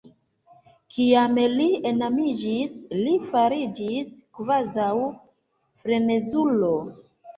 Kiam li enamiĝis, li fariĝis kvazaŭ frenezulo.